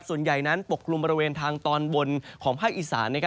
ส่วนใหญ่นั้นปกลุ่มบริเวณทางตอนบนของภาคอีสาน